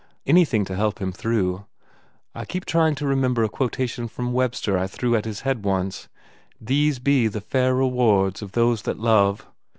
Anything to help him through. I keep trying to remember a quotation from Webster I threw at his head once. These be the fair rewards of those that love.